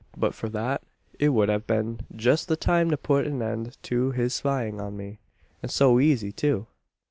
But for that, it would have been just the time to put an end to his spying on me! And so easy, too!"